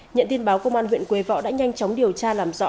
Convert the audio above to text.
nhận tin báo công an huyện quế võ đã nhanh chóng điều tra làm rõ